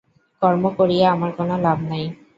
কর্ম করিয়া আমার কোন লাভ নাই।